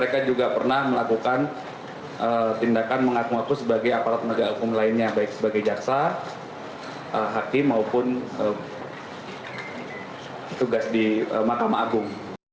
kedua tersangka diringkus polisi di apartemen kalibata city jakarta selatan